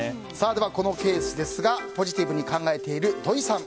では、このケースポジティブに考えている土井さん